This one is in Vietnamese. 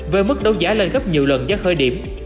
với mức đấu giá lên gấp nhiều lần giá khơi điểm